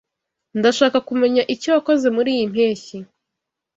Ndashaka kumenya icyo wakoze muriyi mpeshyi.